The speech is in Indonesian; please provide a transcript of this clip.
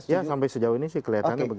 ya sampai sejauh ini sih kelihatannya begini